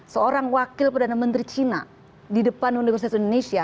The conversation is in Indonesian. seorang wakil perdana menteri cina di depan universitas indonesia